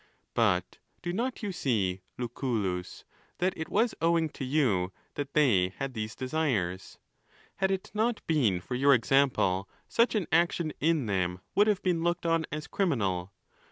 But do not you see, Lucullus, that it was owing to you that they had these desires? Had it not been for your example, such an action in them would have been looked on as criminal.